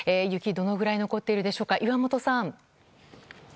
雪、どのくらい残っているでしょうか。